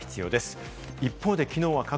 厳重な警戒が必要です。